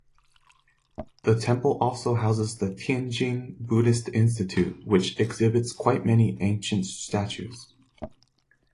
The temple also houses the Tianjin Buddhist Institute, which exhibits quite many ancient statues.